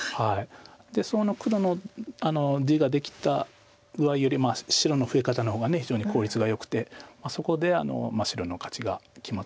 でその黒の地ができた具合よりも白の増え方のほうが非常に効率がよくてそこで白の勝ちが決まったようです。